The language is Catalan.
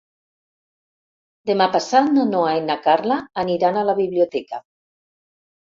Demà passat na Noa i na Carla aniran a la biblioteca.